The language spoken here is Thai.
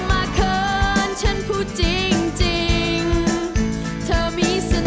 อยากจะได้แอบอิ่ง